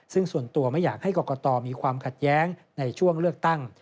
ซึ่งส่วนตัวไม่อยากให้กรกตมีความขัดแย้งในช่วงเลือกตั้ง